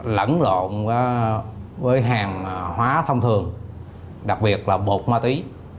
lẫn lộn với hàng hóa thông thường đặc biệt là bột ma túy